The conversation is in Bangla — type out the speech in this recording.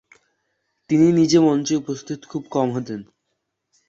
তিনি নিজে মঞ্চে উপস্থিত খুব কম হতেন।